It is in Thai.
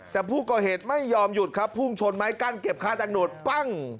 แต่ผู้ก่อเหตุไม่ยอมหยุดครับพุ่งชนไม้กั้นเก็บค่าแต่งหนวดปั้ง